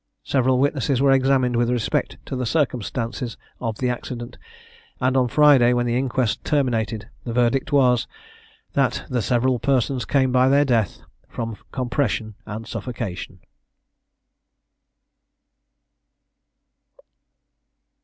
Several witnesses were examined with respect to the circumstances of the accident; and on Friday, when the inquest terminated, the verdict was, "That the several persons came by their death from compression and suffocation."